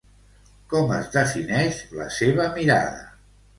Com es defineix la seva mirada?